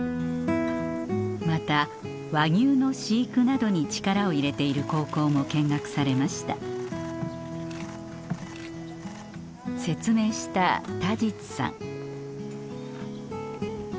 また和牛の飼育などに力を入れている高校も見学されました説明した田實さん